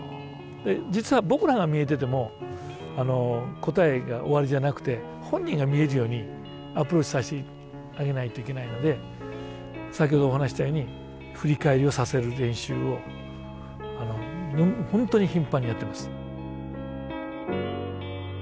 実は僕らが見えてても答えが終わりじゃなくて本人が見えるようにアプローチさせてあげないといけないので先ほどお話ししたように振り返りをさせる練習を本当に頻繁にやってます。